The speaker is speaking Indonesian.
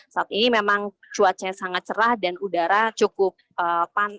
saat ini memang cuacanya sangat cerah dan udara cukup panas